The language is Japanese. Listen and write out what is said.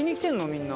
みんな。